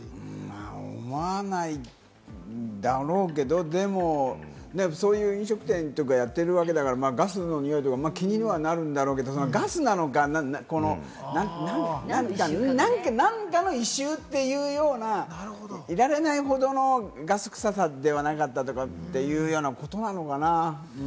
思わないだろうけれども、でもそういう飲食店とかやってるわけだから、ガスのにおいとか気にはなるんだろうけれど、ガスなのか、何かの異臭というような、言われないほどのガス臭さではなかったということなのかな。